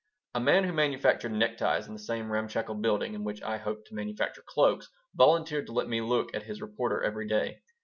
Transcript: A man who manufactured neckties in the same ramshackle building in which I hoped to manufacture cloaks volunteered to let me look at his Reporter every day.